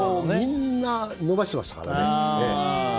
みんな伸ばしてましたからね。